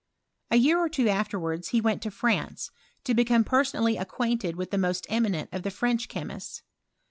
A year or two afterwards he wenl France, to become personally acquainted with i most eminent of the French chemists.